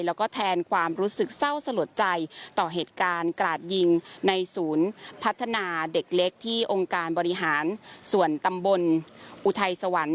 แล้วก็แทนความรู้สึกเศร้าสลดใจต่อเหตุการณ์กราดยิงในศูนย์พัฒนาเด็กเล็กที่องค์การบริหารส่วนตำบลอุทัยสวรรค์